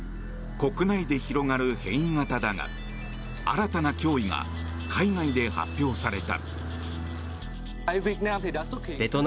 国内で広がる変異型だが新たな脅威が海外で発表された。